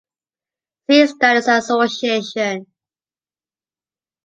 Sea Studies Association.